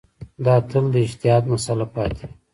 دا تل د اجتهاد مسأله پاتې وي.